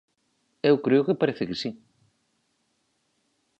Eu creo que parece que si.